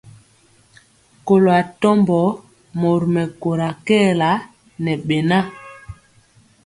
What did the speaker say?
Kɔlo atɔmbɔ mori mɛkóra kɛɛla ŋɛ beŋa.